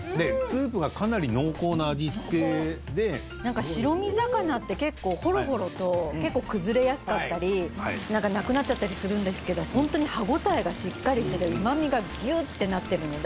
何か白身魚って結構ほろほろと崩れやすかったりなくなっちゃったりするんですけどホントに歯応えがしっかりしててうま味がぎゅってなってるので。